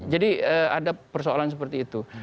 jadi ada persoalan seperti itu